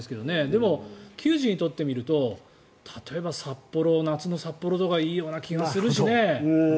でも、球児にとってみると例えば夏の札幌とかいいような気がするしね。